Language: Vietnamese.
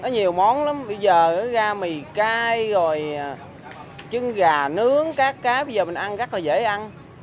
có nhiều món lắm bây giờ ra mì cay rồi trứng gà nướng các cái bây giờ mình ăn rất là dễ ăn